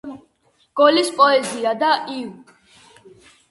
გოლის პოეზია და იუ.